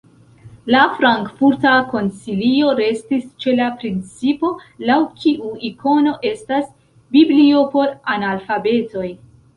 La Frankfurta koncilio restis ĉe la principo, laŭ kiu ikono estas "biblio por analfabetoj".